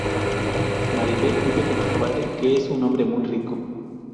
Maribel vive con su padre que es un hombre muy rico.